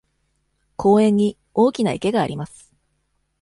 公園に大きな池があります。